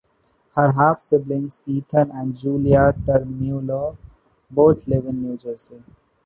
Her half-siblings, Ethan and Julia Termulo, both live in New Jersey.